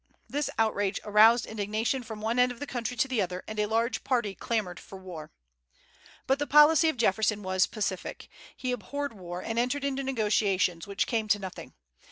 This outrage aroused indignation from one end of the country to the other, and a large party clamored for war. But the policy of Jefferson was pacific. He abhorred war, and entered into negotiations, which came to nothing.